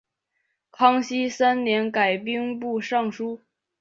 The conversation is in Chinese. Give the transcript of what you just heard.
康熙三年改兵部尚书。